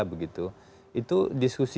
begitu itu diskusi